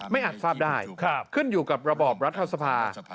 อาจทราบได้ขึ้นอยู่กับระบอบรัฐสภา